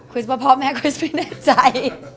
คริสต์ว่าพ่อแม่คริสต์ไม่ในใจ